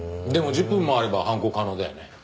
でも１０分もあれば犯行可能だよね。